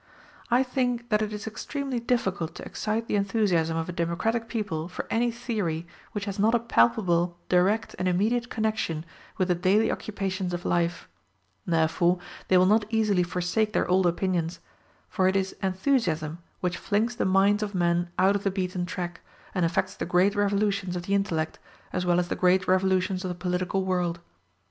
I think that it is extremely difficult to excite the enthusiasm of a democratic people for any theory which has not a palpable, direct, and immediate connection with the daily occupations of life: therefore they will not easily forsake their old opinions; for it is enthusiasm which flings the minds of men out of the beaten track, and effects the great revolutions of the intellect as well as the great revolutions of the political world.